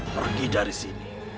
pergi dari sini